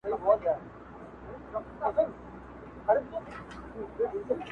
چي پکښي و لټوو لار د سپین سبا په لوري,